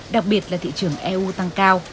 đặc biệt là thị trường eu tăng cao